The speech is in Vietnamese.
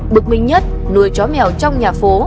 bực mình nhất nuôi chó mèo trong nhà phố